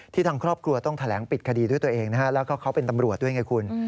ทางครอบครัวต้องแถลงปิดคดีด้วยตัวเองนะฮะแล้วก็เขาเป็นตำรวจด้วยไงคุณ